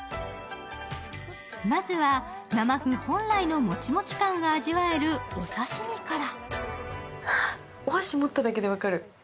まずは生麩本来のもちもち感が味わえる、お刺身から。